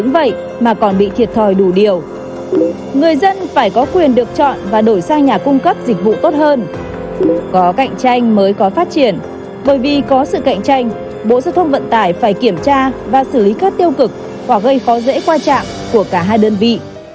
và gây khó dễ qua trạm của cả hai đơn vị